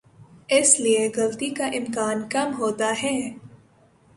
اس لیے غلطی کا امکان کم ہوتا ہے۔